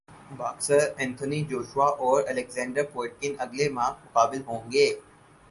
boxer Anthony Joshua اور Alexander Povetkin اگلے ماہ مقابل ہوں گے